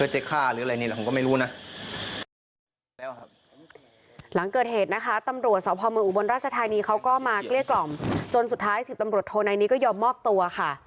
จนสุดท้าย๑๐ตำรวจโทกวีกพระนี้ก็ยอมมอบตัวค่ะ